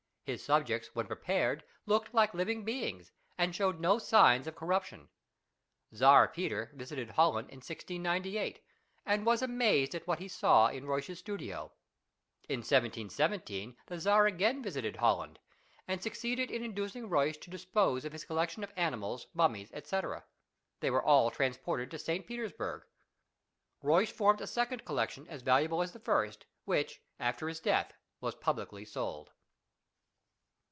His subjects, when prepared, looked like living beings, and showed no signs of corruption. Czar Peter visited Holland in 1698, and was amazed at what he saw in Ruysch's studio. In 171 7 the Czar again visited Holland, and succeeded in inducing Ruysch to dispose of his collection of animals, mummies, &c. These were all transported to St. Petersburg. Ruysch formed a second collection as valuable as the first, which after his death was publicly sold.